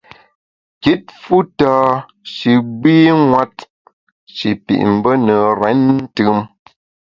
Kit fu tâ shi gbînwet, shi pit mbe ne renntùm.